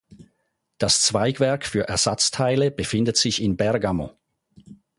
Das Zweigwerk für Ersatzteile befindet sich in Bergamo.